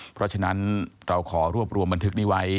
เพราะฉะนั้นเราขอรวบรวมบันทึกนี้ไว้